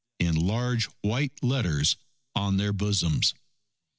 _ in large white letters on their bosoms.